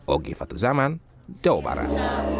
ogi fathuzaman jawa barat